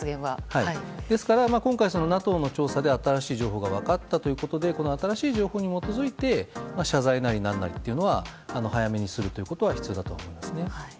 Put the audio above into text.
ですからＮＡＴＯの調査で新しい情報が分かったということで新しい情報に基づいて謝罪なりなんなりというのは早めにすることは必要だと思いますね。